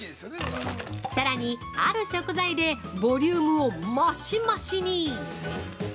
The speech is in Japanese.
◆さらにある食材でボリュームを増し増しに。